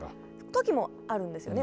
時もあるんですよね